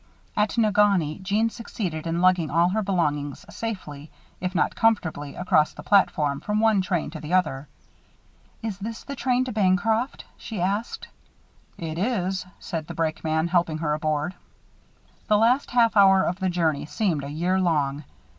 At Negaunee, Jeanne succeeded in lugging all her belongings safely, if not comfortably, across the platform, from one train to the other. "Is this the train to Bancroft?" she asked. "It is," said the brakeman, helping her aboard. The last half hour of the journey seemed a year long.